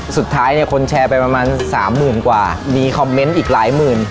สุดท้ายเนี่ยคนแชร์ไปประมาณสามหมื่นกว่ามีคอมเมนต์อีกหลายหมื่น